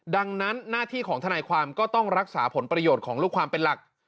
ดังนั้นหน้าที่ของทนายความก็ต้องรักษาผลประโยชน์ของลูกความเป็นหลัก